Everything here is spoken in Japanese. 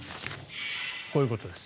こういうことです。